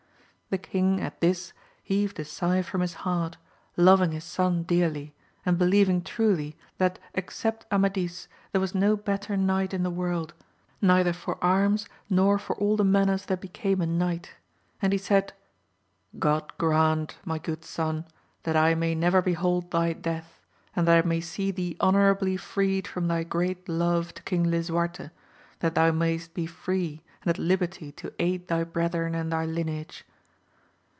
The AMADIS OF GAUL. 17T king at this heaved a sigh from his heart, loving his son dearly, and believing truly, that except Amadis^ there was no better knight in the world,, neither for arms, nor for all the manners that became a knight : and he said, God grant, my good son, that I may never behold thy death, and that I may see thee honourably jfreed from thy great love to King Lisuarte, that thou mayest be jfree and at liberty to aid thy brethren and thy lineage.